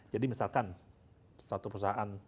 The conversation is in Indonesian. jadi misalkan suatu perusahaan